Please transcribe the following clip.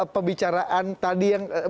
pembicaraan tadi yang